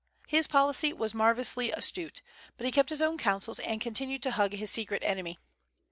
His policy was marvellously astute; but he kept his own counsels, and continued to hug his secret enemy.